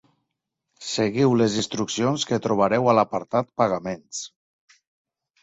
Seguiu les instruccions que trobareu a l'apartat 'Pagaments'